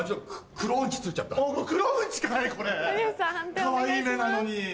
かわいい目なのに。